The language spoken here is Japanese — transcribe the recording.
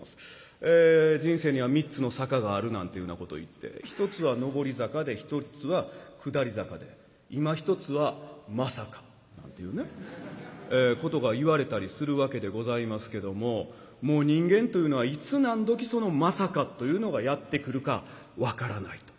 人生には三つの坂があるなんていうようなこといって一つは「上り坂」で一つは「下り坂」でいまひとつは「まさか」なんていうねことがいわれたりするわけでございますけどももう人間というのはいつ何時その「まさか」というのがやって来るか分からないと。